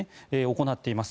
行っています。